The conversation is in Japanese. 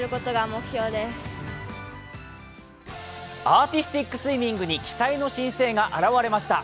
アーティスティックスイミングに期待の新星が現れました。